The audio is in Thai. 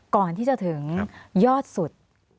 ก่อนที่จะถึงยอดสุด